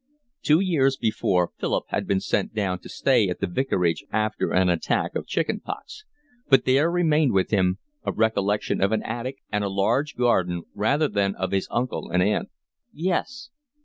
Two years before Philip had been sent down to stay at the vicarage after an attack of chicken pox; but there remained with him a recollection of an attic and a large garden rather than of his uncle and aunt. "Yes."